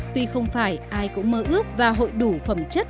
tuy không phải ai cũng mơ ước và hội đủ phẩm chất